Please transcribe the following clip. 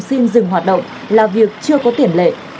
xin dừng hoạt động là việc chưa có tiền lệ